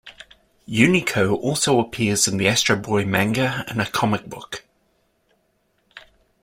Unico also appears in the Astro Boy manga in a comic book.